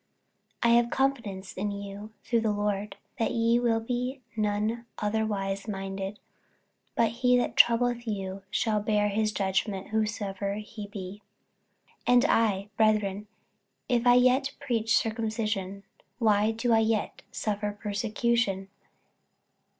48:005:010 I have confidence in you through the Lord, that ye will be none otherwise minded: but he that troubleth you shall bear his judgment, whosoever he be. 48:005:011 And I, brethren, if I yet preach circumcision, why do I yet suffer persecution?